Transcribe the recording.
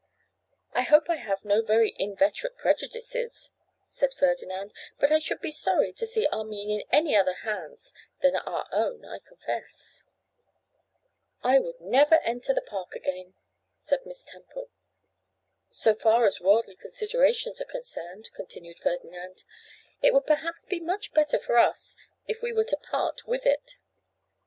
'I hope I have no very inveterate prejudices,' said Ferdinand; 'but I should be sorry to see Armine in any other hands than our own, I confess.' 'I never would enter the park again,' said Miss Temple. 'So far as worldly considerations are concerned,' continued Ferdinand, 'it would perhaps be much better for us if we were to part with it.